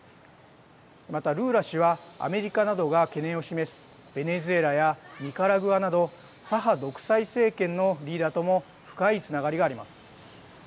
またルーラ氏はアメリカなどが懸念を示すベネズエラやニカラグアなど左派独裁政権のリーダーとも深いつながりがあります。